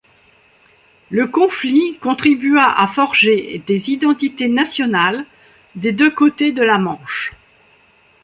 Le conflit contribua à forger des identités nationales des deux côtés de la Manche.